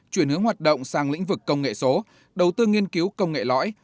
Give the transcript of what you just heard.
chuyển hướng hoạt động sang lĩnh vực công nghệ số đầu tư nghiên cứu công nghệ lõi